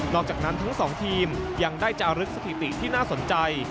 อกจากนั้นทั้งสองทีมยังได้จารึกสถิติที่น่าสนใจ